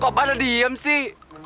kok pada diem sih